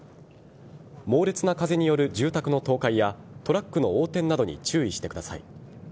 猛烈な風による住宅の倒壊やトラックの横転などに注意してください。